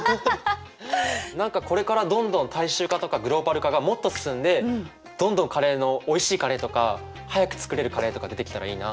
何かこれからどんどん大衆化とかグローバル化がもっと進んでどんどんカレーのおいしいカレーとか早く作れるカレーとか出てきたらいいな。